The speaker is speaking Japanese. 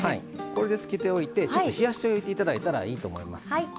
これでつけておいて少し冷やしておいていただいたらいいと思います。